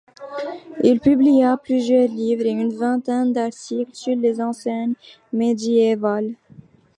Il publia plusieurs livres et une vingtaine d'articles sur les enseignes médiévales.